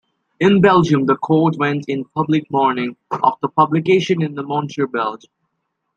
In Belgium the Court went in public mourning after publication in the Moniteur Belge.